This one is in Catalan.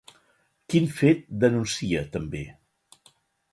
Quin fet denuncia també?